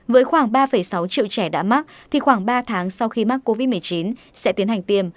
với khoảng ba sáu triệu trẻ đã mắc thì khoảng ba tháng sau khi mắc covid một mươi chín sẽ tiến hành tiêm